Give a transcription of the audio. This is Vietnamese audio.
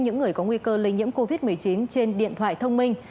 những người có nguy cơ lây nhiễm covid một mươi chín trên điện thoại thông minh